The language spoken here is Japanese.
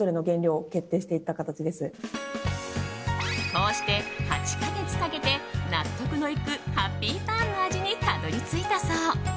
こうして８か月かけて納得のいくハッピーターンの味にたどり着いたそう。